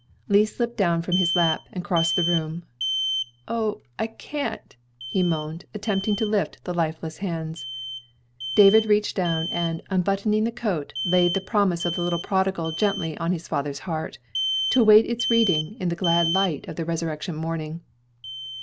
Lee slipped down from his lap, and crossed the room. "O, I can't," he moaned, attempting to lift the lifeless hands. David reached down, and unbuttoning the coat, laid the promise of the little prodigal gently on his father's heart, to await its reading in the glad light of the resurrection morning.